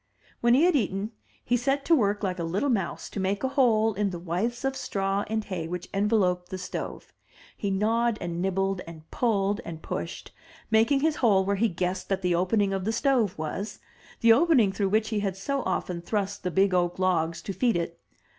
When he had eaten, he set to work like a little mouse to make a hole in the withes of straw and hay which enveloped the stove. He gnawed, and nibbled, and pulled, and pushed, making his hole where he guessed that the opening of the stove was, — the opening through which he had so often thrust the big oak logs to feed it.